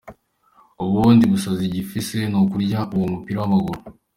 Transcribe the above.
Ubundi busazi gifise n'ukurya uwo mupira w'amaguru.